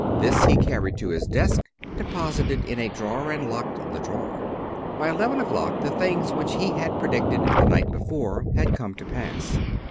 This he carried to his desk, deposited in a drawer, and locked the drawer. By eleven o'clock the things which he had predicted the night before had come to pass.